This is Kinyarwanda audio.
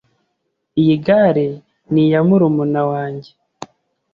Iyi gare ni iya murumuna wanjye.